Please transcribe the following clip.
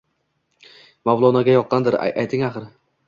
Mavlonoga yoqqandir, ayting axir?